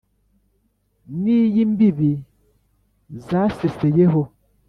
n’iy’imbibi zaseseyeho